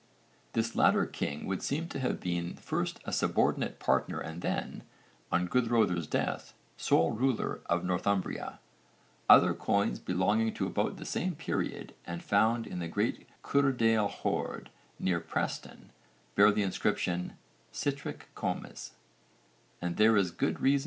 This latter king would seem to have been first a subordinate partner and then, on Guðröðr's death, sole ruler of Northumbria. Other coins belonging to about the same period and found in the great Cuerdale hoard near Preston, bear the inscription 'Sitric Comes,' and there is good reason to believe that Siefredus (O.N. Sigröðr) and Sitric (O.N.